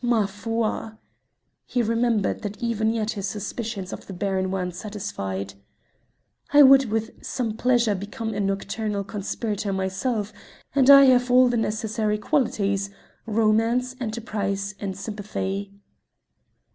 Ma foi!" (he remembered that even yet his suspicions of the Baron were unsatisfied), "I would with some pleasure become a nocturnal conspirator myself, and I have all the necessary qualities romance, enterprise, and sympathy."